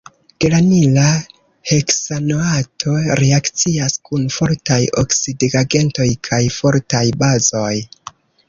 Geranila heksanoato reakcias kun fortaj oksidigagentoj kaj fortaj bazoj.